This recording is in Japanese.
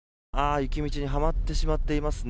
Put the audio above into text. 雪道にはまってしまっていますね。